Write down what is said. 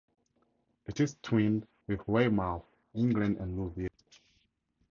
It is twinned with Weymouth, England and Louviers.